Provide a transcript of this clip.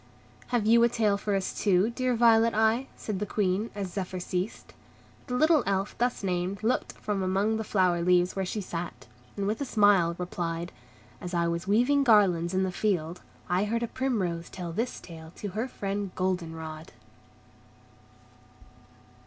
"Have you a tale for us too, dear Violet Eye?" said the Queen, as Zephyr ceased. The little Elf thus named looked from among the flower leaves where she sat, and with a smile replied, "As I was weaving garlands in the field, I heard a primrose tell this tale to her friend Golden Rod."